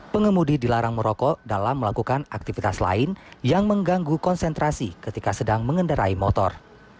pengemudi dilarang merokok dalam melakukan aktivitas lain yang mengganggu konsentrasi ketika sedang mengendarai motor